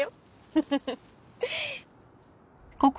フフフッ。